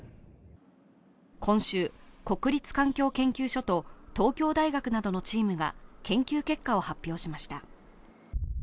今週、国立環境研究所と東京大学などのチームが研究結果を発表しました。